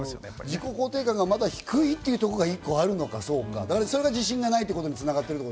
自己肯定感がまだ低いというのも一個あるのか、自信がないということに繋がるのかな？